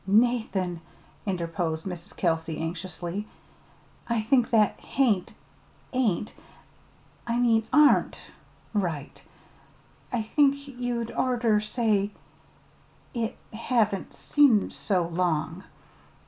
"Nathan," interposed Mrs. Kelsey, anxiously, "I think that 'hain't' ain't I mean aren't right. I think you'd orter say, 'It haven't seemed so long.'"